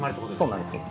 ◆そうなんですよ。